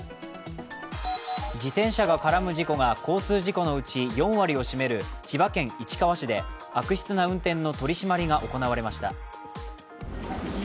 自転車が絡む事故が交通事故のうち４割を占める千葉県市川市で悪質な運転の取締りが行われました。